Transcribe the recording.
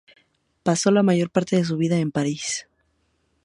Pasó la mayor parte de su vida en París.